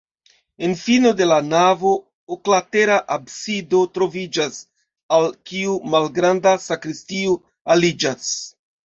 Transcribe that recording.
En fino de la navo oklatera absido troviĝas, al kiu malgranda sakristio aliĝas.